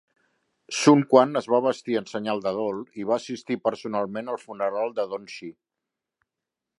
Sun Quan es va vestir en senyal de dol i va assistir personalment al funeral de Dong Xi.